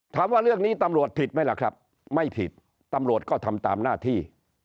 ถามว่าเรื่องนี้ตำรวจผิดไหมล่ะครับไม่ผิดตำรวจก็ทำตามหน้าที่